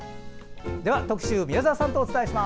特集、宮澤さんとお伝えします。